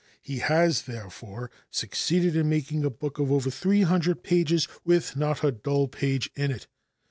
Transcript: He has, therefore, succeeded in making a book of over three hundred pages with not a dull page in it.